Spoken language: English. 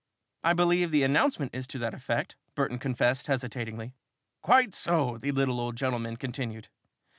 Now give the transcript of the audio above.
"I believe the announcement is to that effect," Burton confessed, hesitatingly. "Quite so," the little old gentleman continued.